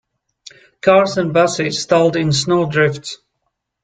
Cars and busses stalled in snow drifts.